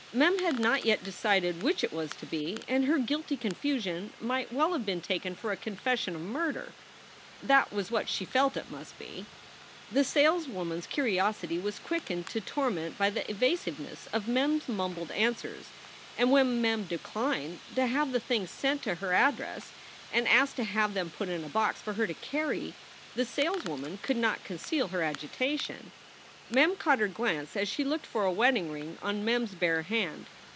Mem had not yet decided which it was to be, and her guilty confusion might well have been taken for a confession of murder. That was what she felt it must be. The saleswoman s curiosity was quickened to torment by the evasiveness of Mem s mumbled answers, and when Mem declined to have the things sent to her address, and asked to have them put in a box for her to carry, the sales woman could not conceal her agitation. Mem caught her glance as she looked for a wedding ring on Mem s bare hand.